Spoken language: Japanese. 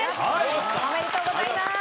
おめでとうございます！